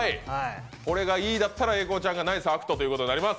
これがＥだったら、英孝ちゃんがナイスアクトだったことになります。